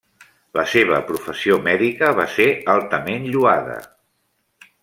La seva professió mèdica va ser altament lloada.